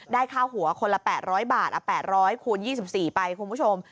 ได้ค่าหัวคนละ๘๐๐บาท๘๐๐คูณ๒๔ไปคุณผู้ชม